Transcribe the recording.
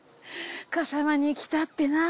笠間に来たっぺなぁ。